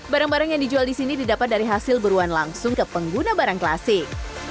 barang barang yang dijual di sini didapat dari hasil beruan langsung ke pengguna barang klasik